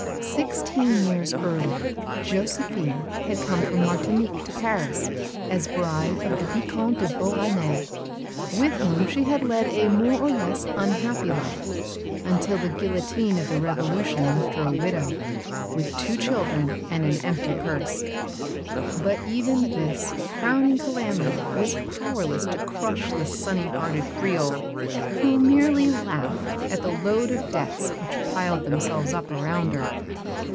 Sixteen years earlier, Josephine had come from Martinique to Paris as bride of the Vicomte de Beauharnais, with whom she had led a more or less unhappy life, until the guillotine of the Revolution left her a widow, with two children and an empty purse. But even this crowning calamity was powerless to crush the sunny hearted Creole, who merely laughed at the load of debts which piled themselves up around her.